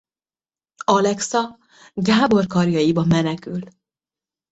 Alexa Gábor karjaiba menekül.